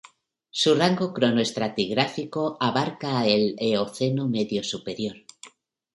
Su rango cronoestratigráfico abarca el Eoceno medio-superior.